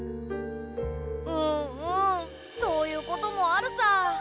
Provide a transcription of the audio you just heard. うんうんそういうこともあるさ。